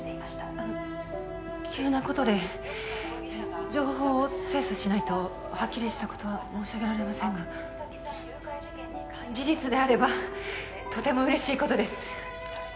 あの急なことで情報を精査しないとはっきりしたことは申し上げられませんが事実であればとても嬉しいことです